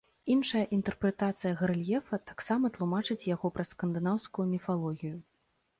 Іншая інтэрпрэтацыя гарэльефа таксама тлумачыць яго праз скандынаўскую міфалогію.